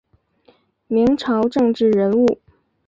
明朝政治人物。